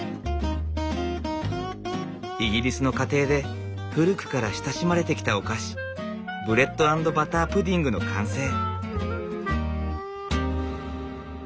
イギリスの家庭で古くから親しまれてきたお菓子ブレッド＆バタープディングの完成。